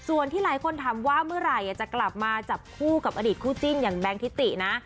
ส่วนที่หลายคนถามว่าเมื่อไหร่จะกลับมาจับคู่กับอดีตคู่จิ้นอย่างแบงค์ทิตินะ